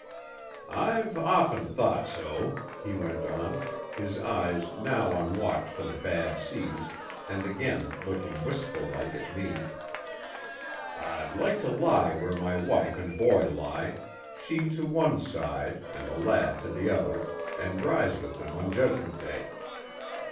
"I've often thought so," he went on, his eyes now on watch for the bad seas and again looking wistful like at me. "I'd like to lie where my wife and boy lie, she to one side and the lad to the other, and rise with them on Judgment Day.